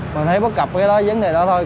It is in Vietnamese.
mình thấy bất cập cái vấn đề đó thôi